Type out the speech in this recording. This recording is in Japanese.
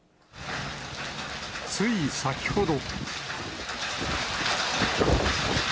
つい先ほど。